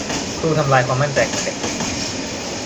ครูทำลายความมั่นใจของเด็ก